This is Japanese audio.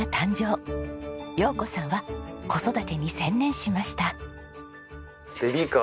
陽子さんは子育てに専念しました。